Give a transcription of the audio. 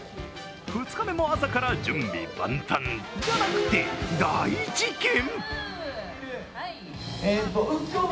２日目も朝から準備万端じゃなくて大事件。